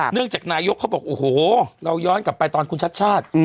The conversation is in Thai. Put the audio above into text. จากนายกเขาบอกโอ้โหเราย้อนกลับไปตอนคุณชัดชาติ